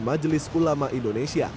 majelis ulama indonesia